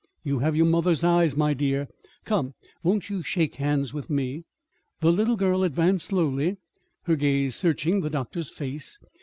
You have your mother's eyes, my dear. Come, won't you shake hands with me?" The little girl advanced slowly, her gaze searching the doctor's face.